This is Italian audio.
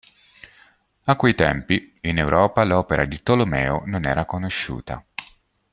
A quei tempi, in Europa l'opera di Tolomeo non era conosciuta.